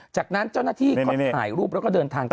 จากนั้นเจ้าหน้าที่ก็ถ่ายรูปแล้วก็เดินทางกลับ